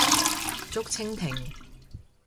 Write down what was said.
竹蜻蜓